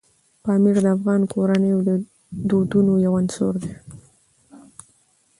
پامیر د افغان کورنیو د دودونو یو عنصر دی.